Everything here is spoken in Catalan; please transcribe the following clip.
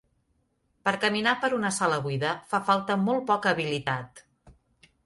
Per caminar per una sala buida fa falta molt poca habilitat.